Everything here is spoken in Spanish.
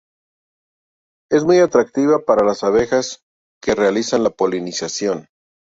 Es muy atractiva para la abejas que realizan la polinización.